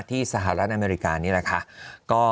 สหรัฐอเมริกานี่แหละค่ะ